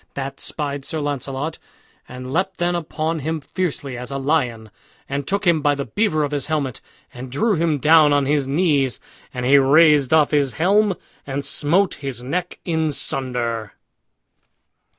That spied Sir Launcelot, and leapt then upon him fiercely as a lion, and took him by the beaver of his helmet, and drew him down on his knees. And he raised off his helm, and smote his neck in sunder.